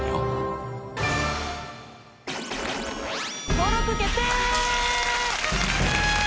登録決定！